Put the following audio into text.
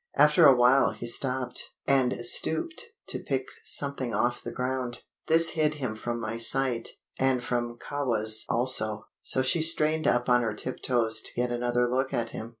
After a while he stopped, and stooped to pick something off the ground. This hid him from my sight, and from Kahwa's also, so she strained up on her tiptoes to get another look at him.